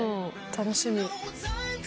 楽しみ。